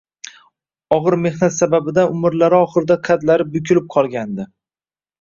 og‘ir mehnat sababidan umrlari oxirida qadlari bukilib qolgandi.